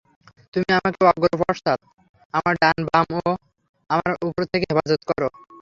তুমি আমাকে অগ্র-পশ্চাৎ, আমার ডান-বাম ও আমার উপর থেকে হেফাজত কর।